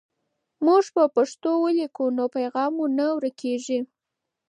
موږ په پښتو ولیکو نو پیغام مو نه ورکېږي.